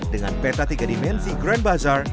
dengan peta tiga dimensi grand bazar